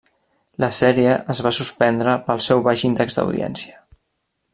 La sèrie es va suspendre pel seu baix índex d'audiència.